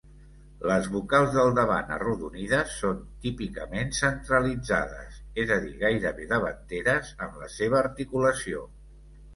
Les vocals del davant arrodonides són típicament centralitzades, és a dir, gairebé davanteres en la seva articulació.